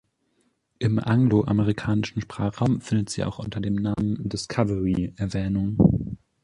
Im anglo-amerikanischen Sprachraum findet sie auch unter dem Namen "Discovery" Erwähnung.